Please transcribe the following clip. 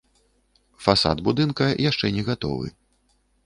Фасад будынка яшчэ не гатовы.